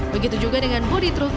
begitu juga dengan bodi truk